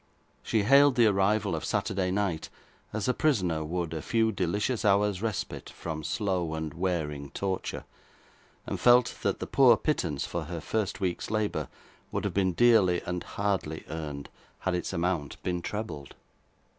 She hailed the arrival of Saturday night, as a prisoner would a few delicious hours' respite from slow and wearing torture, and felt that the poor pittance for her first week's labour would have been dearly and hardly earned, had its amount been trebled.